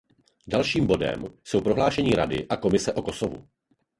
Dalším bodem jsou prohlášení Rady a Komise o Kosovu.